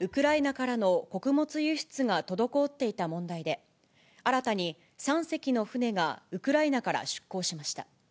ウクライナからの穀物輸出が滞っていた問題で、新たに３隻の船がウクライナから出港しました。